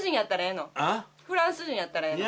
フランス人やったらええの？